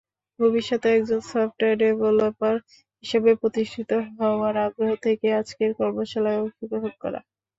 ভবিষ্যতে একজন software developer হিসেবে প্রতিষ্ঠিত হওয়ার আগ্রহ থেকেই আজকের কর্মশালায় অংশগ্রহণকরা।